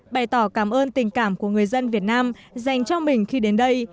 bày tỏ cảm ơn tình cảm của người dân việt nam dành cho mình khi đến đây